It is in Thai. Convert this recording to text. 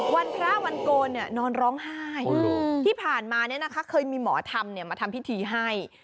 วันพระวันโกนนอนร้องไห้ที่ผ่านมาเคยมีหมอธรรมมาทำพิธีให้